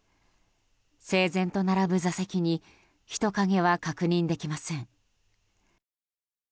整然と並ぶ座席に人影は確認できません。